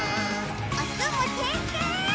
おつむてんてん！